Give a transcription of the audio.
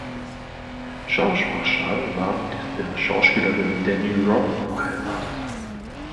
Georges Marchal war mit der Schauspielerin Dany Robin verheiratet.